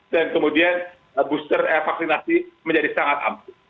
dan kemudian booster vaksinasi menjadi sangat ampuh